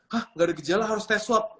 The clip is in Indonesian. hah gak ada gejala harus tes swab